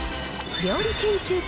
料理研究家